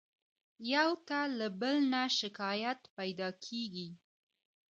يو ته له بل نه شکايت پيدا کېږي.